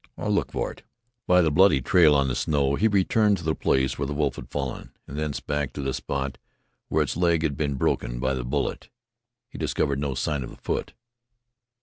I'll look for it." By the bloody trail on the snow he returned to the place where the wolf had fallen, and thence back to the spot where its leg had been broken by the bullet. He discovered no sign of the foot.